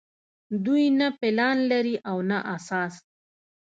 دوي نۀ پلان لري او نه احساس